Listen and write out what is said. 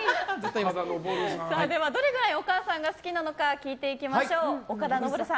どれぐらいお母さんが好きなのか聞いていきましょう。